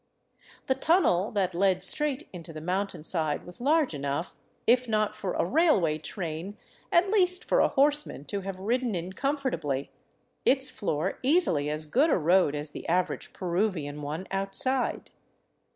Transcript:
The tunnel that led straight into the mountainside was large enough, if not for a railway train, at least for a horseman to have ridden in comfortably, its floor easily as good a road as the average Peruvian one outside.